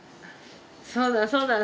そうだそうだ。